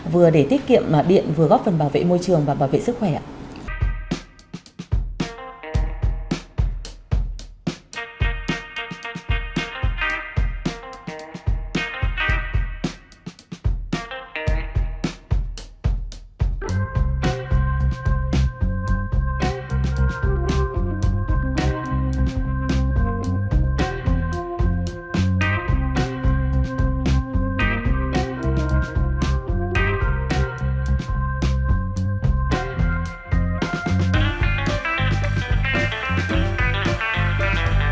vừa để tiết kiệm điện vừa góp phần bảo vệ môi trường và bảo vệ sức khỏe